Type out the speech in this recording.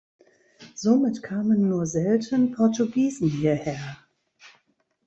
Somit kamen nur selten Portugiesen hierher.